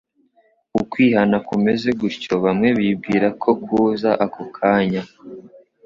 Ukwihana kumeze gutyo, bamwe bibwira ko kuza ako kanya,